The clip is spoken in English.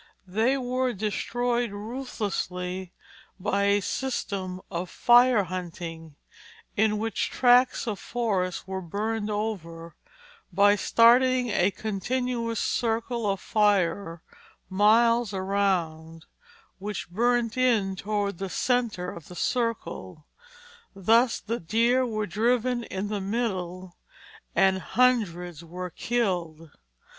They were destroyed ruthlessly by a system of fire hunting, in which tracts of forests were burned over, by starting a continuous circle of fire miles around, which burnt in toward the centre of the circle; thus the deer were driven into the middle, and hundreds were killed.